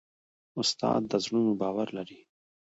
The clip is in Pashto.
استاد د زړونو باور لري.